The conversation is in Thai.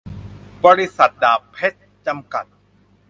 บริษัท ดาบเพ็ชร์ จำกัด